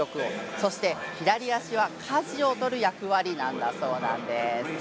そして、左足はかじを取る役割なんだそうなんです。